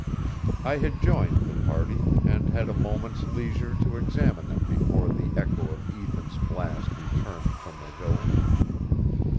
I had joined the party, and had a moment's leisure to examine them before the echo of Ethan's blast returned from the hill.